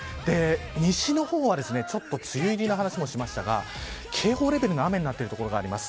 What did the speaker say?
西の方はちょっと梅雨入りの話もしましたが警報レベルの雨になっている所があります。